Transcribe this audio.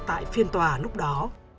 tại phiên tòa lúc đó